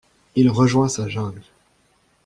Il rejoint sa jungle.